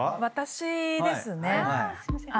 私ですね。